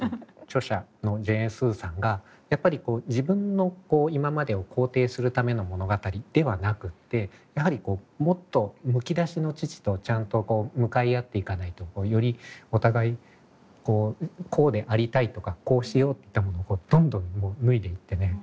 著者のジェーン・スーさんがやっぱり自分の今までを肯定するための物語ではなくってやはりこうもっとむき出しの父とちゃんと向かい合っていかないとよりお互いこうでありたいとかこうしようってものをどんどん脱いでいってね